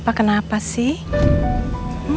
papa kenapa sih